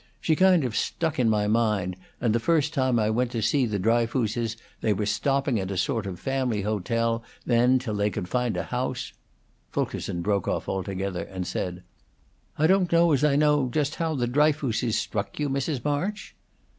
She kind of stuck in my mind, and the first time I went to see the Dryfooses they were stopping at a sort of family hotel then till they could find a house " Fulkerson broke off altogether, and said, "I don't know as I know just how the Dryfooses struck you, Mrs. March?"